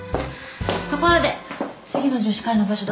ところで次の女子会の場所